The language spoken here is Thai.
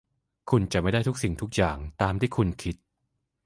คุณจะไม่ได้ทุกสิ่งทุกอย่างตามที่คุณคิด